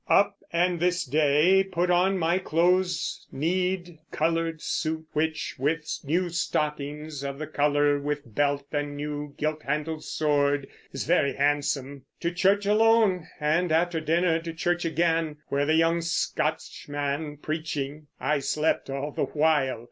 Up and this day put on my close kneed coloured suit, which, with new stockings of the colour, with belt and new gilt handled sword, is very handsome. To church alone, and after dinner to church again, where the young Scotchman preaching, I slept all the while.